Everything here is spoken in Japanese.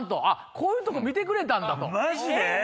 こういうとこ見てくれたんだと。